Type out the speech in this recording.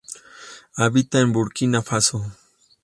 Habita en Burkina Faso.